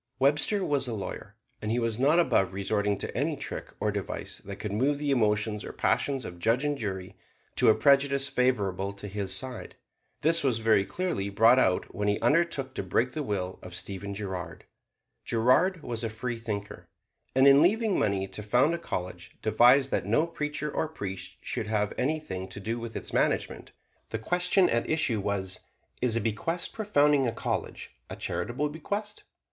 Webster was a lawyer; and he was not above resorting to any trick or device that could move the emotions or passions of judge and jury to a prejudice favorable to his side. This was very clearly brought out when he undertook to break the will of Stephen Girard. Girard was a freethinker, and in leaving money to found a college devised that no preacher or priest should have anything to do with its management. The question at issue was, "Is a bequest for founding a college a charitable bequest?"